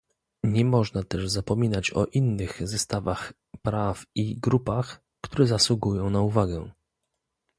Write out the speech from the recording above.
Nie można też zapominać o innych zestawach praw i grupach, które zasługują na uwagę